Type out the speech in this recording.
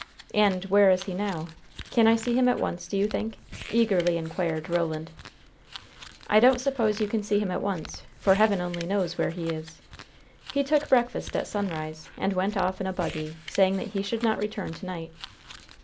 "And where is he now? Can I see him at once, do you think?" eagerly inquired Roland. "I don't suppose you can see him at once, for Heaven only knows where he is. He took breakfast at sunrise, and went off in a buggy, saying that he should not return to night."